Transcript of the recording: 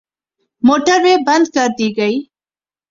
Motorway بند کردی گئی۔